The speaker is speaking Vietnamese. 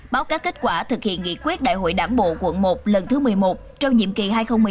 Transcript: báo cáo kết quả thực hiện nghị quyết đại hội đảng bộ quận một lần thứ một mươi một trong nhiệm kỳ hai nghìn hai mươi hai nghìn hai mươi